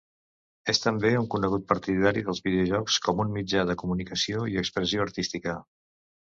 És també un conegut partidari dels videojocs com un mitjà de comunicació i expressió artística.